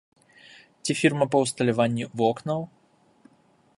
Ці фірма па ўсталяванні вокнаў.